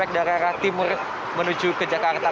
di daerah timur menuju ke jakarta